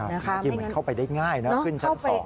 เมื่อกี้มันเข้าไปได้ง่ายนะขึ้นชั้น๒ได้เลย